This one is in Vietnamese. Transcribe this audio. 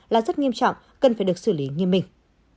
là rất nghiêm trọng cần phải được xử lý nghiêm minh